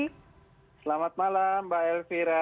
selamat malam mbak elvira